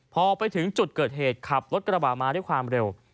พอไปถึงจุดเกิดเหตุขับรถกระบะมาด้วยความเร็ว